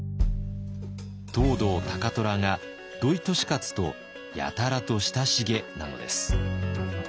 藤堂高虎が土井利勝とやたらと親しげなのです。